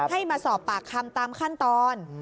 ให้มาสอบปากคำตามขั้นตอน